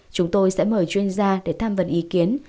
chúng tôi sẽ mời chuyên gia để tham vấn ý kiến